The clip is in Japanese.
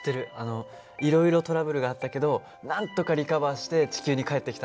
いろいろトラブルがあったけどなんとかリカバーして地球に帰ってきたんだよね。